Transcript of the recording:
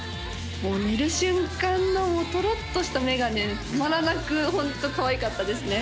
もう寝る瞬間のトロッとした目がねたまらなくホントかわいかったですね